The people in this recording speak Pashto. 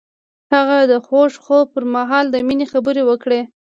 هغه د خوږ خوب پر مهال د مینې خبرې وکړې.